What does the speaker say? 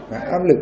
và áp lực